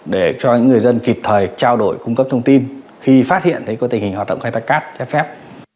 để cho những người dân kịp thời trao đổi cung cấp thông tin khi phát hiện thấy có tình hình hoạt động khai thác cát trái phép